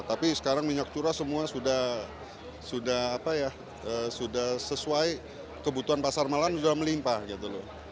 tapi sekarang minyak curah semua sudah sesuai kebutuhan pasar malam sudah melimpah gitu loh